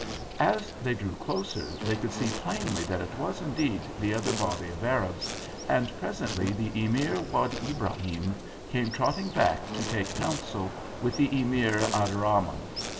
As they drew closer they could see plainly that it was indeed the other body of Arabs, and presently the Emir Wad Ibrahim came trotting back to take counsel with the Emir Abderrahman.